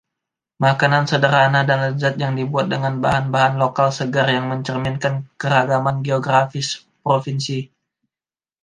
Makanan sederhana dan lezat yang dibuat dengan bahan-bahan lokal segar yang mencerminkan keragaman geografis provinsi.